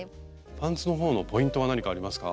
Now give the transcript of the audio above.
パンツの方のポイントは何かありますか？